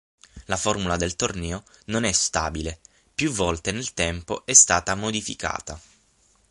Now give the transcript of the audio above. La formula del torneo non è stabile: più volte nel tempo è stata modificata.